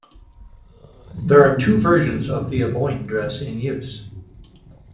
There are two versions of the Aboyne dress in use.